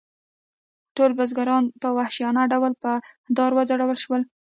ټول بزګران په وحشیانه ډول په دار وځړول شول.